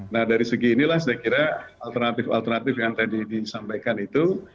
nah dari segi inilah saya kira alternatif alternatif yang tadi disampaikan itu